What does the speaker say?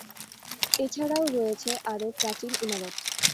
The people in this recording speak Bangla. এছাড়াও রয়েছে আরো প্রাচীন ইমারত।